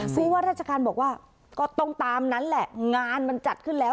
ผู้ว่าราชการบอกว่าก็ต้องตามนั้นแหละงานมันจัดขึ้นแล้ว